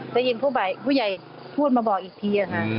ได้ยินผู้ใหญ่พูดมาบอกอีกทีค่ะ